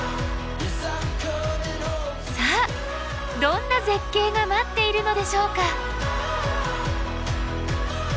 さあどんな絶景が待っているのでしょうか？